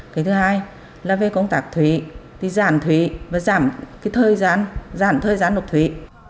cái thứ hai là về công tác thuế giảm thuế và giảm thời gian lục thuế